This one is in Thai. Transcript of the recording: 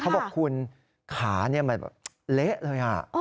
เขาบอกคุณขาเหละเลย